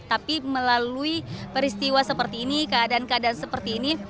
tapi melalui peristiwa seperti ini keadaan keadaan seperti ini